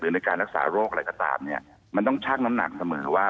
ในการรักษาโรคอะไรก็ตามเนี่ยมันต้องชั่งน้ำหนักเสมอว่า